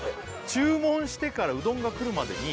「注文してからうどんが来るまでに」